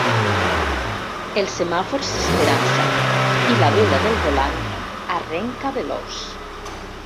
El semàfor s'esperança i la bella del volant arrenca veloç.